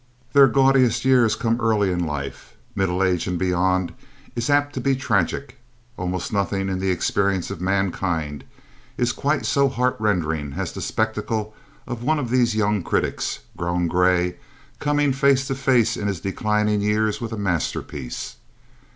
Their gaudiest years come early in life. Middle age and beyond is apt to be tragic. Almost nothing in the experience of mankind is quite so heartrending as the spectacle of one of these young critics, grown gray, coming face to face in his declining years with a masterpiece.